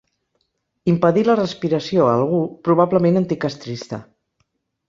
Impedir la respiració a algú, probablement anticastrista.